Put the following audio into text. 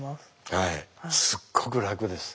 はいすっごく楽です。